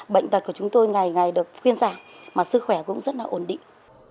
bệnh tật của chúng tôi ngày ngày được khuyên giảm mà sức khỏe cũng rất là ổn định